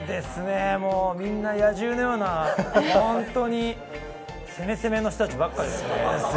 みんな野獣のような、本当に攻め攻めの人たちばっかりです。